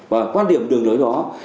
và quan điểm đường lối đó